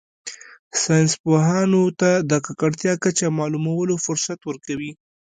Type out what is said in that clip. ساینس پوهانو ته د ککړتیا کچه معلومولو فرصت ورکوي